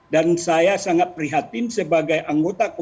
dan saya sangat prihatin sebagai anggota kpu